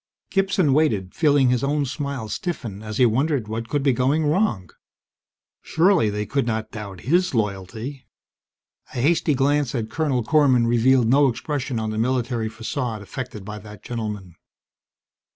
Gibson waited, feeling his own smile stiffen as he wondered what could be going wrong. Surely, they could not doubt his loyalty! A hasty glance at Colonel Korman revealed no expression on the military facade affected by that gentleman.